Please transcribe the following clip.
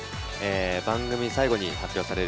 番組の最後に発表される